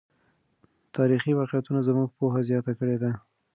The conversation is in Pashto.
تاریخي واقعیتونه زموږ پوهه زیاته کړې ده.